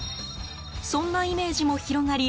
そんなイメージも広がり